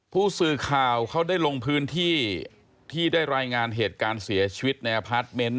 ผู้สื่อข่าวเขาได้ลงพื้นที่ที่ได้รายงานเหตุการณ์เสียชีวิตในอพาร์ทเมนต์